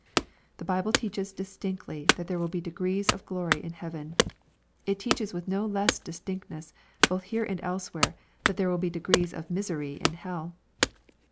The Bible teaches distinctly that there will be degrees of glory in heaven. It teaches with no less distinctness, both here and else where, that there will be degrees of misery in hell.